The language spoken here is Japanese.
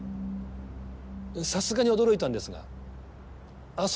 さすがに驚いたんですがあっ